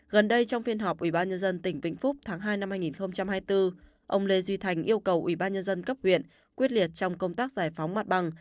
gần đây trong phiên họp ủy ban nhân dân tỉnh vĩnh phúc tháng hai năm hai nghìn hai mươi bốn ông lê duy thành yêu cầu ủy ban nhân dân cấp huyện quyết liệt trong công tác giải phóng mặt bằng